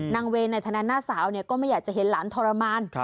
นางเวในฐานะหน้าสาวเนี่ยก็ไม่อยากจะเห็นหลานทรมาน